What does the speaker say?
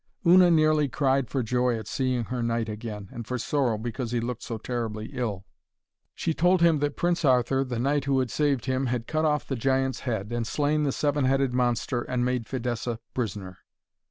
Una nearly cried for joy at seeing her knight again, and for sorrow because he looked so terribly ill. She told him that Prince Arthur, the knight who had saved him, had cut off the giant's head, and slain the seven headed monster, and made Fidessa prisoner.